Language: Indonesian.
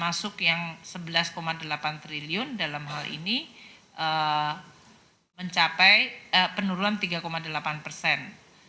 masuk yang sebelas delapan triliun dalam hal ini mencapai penurunan tiga delapan persen